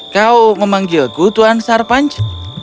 kau memanggilku tuan sarpanch